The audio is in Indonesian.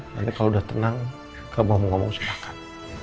nanti kalau udah tenang kamu ngomong ngomong silahkan